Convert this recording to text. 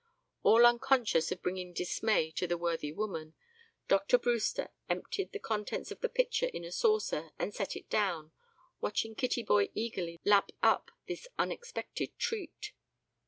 All unconscious of bringing dismay to the worthy woman, Dr. Brewster emptied the contents of the pitcher in a saucer and set it down, watching Kittyboy eagerly lap up this unexpected treat.